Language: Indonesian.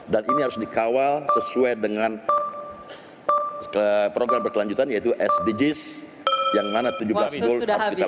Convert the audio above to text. dan ini harus dikawal sesuai dengan program berkelanjutan yaitu sdgs yang mana tujuh belas bul harus dilaksanakan